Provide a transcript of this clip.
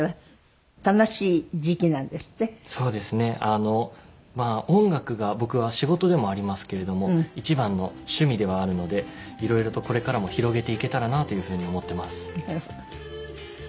あのまあ音楽が僕は仕事でもありますけれども一番の趣味ではあるのでいろいろとこれからも広げていけたらなという風に思ってます。